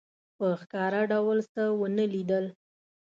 په ښکاره ډول څه ونه لیدل.